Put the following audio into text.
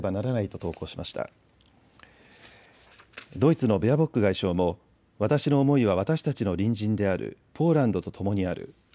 ドイツのベアボック外相も私の思いは私たちの隣人であるポーランドとともにある。